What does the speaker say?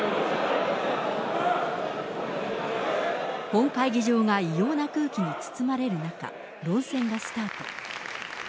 本会議場が異様な空気に包まれる中、論戦がスタート。